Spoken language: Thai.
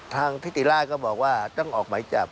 ทางพิติราชก็บอกว่าต้องออกหมายจับ